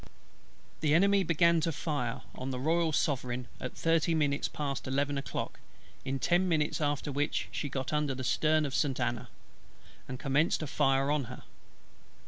The Enemy began to fire on the Royal Sovereign at thirty minutes past eleven o'clock; in ten minutes after which she got under the stern of the St. Anna, and commenced a fire on her.